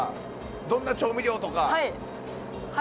どんな調味料とか。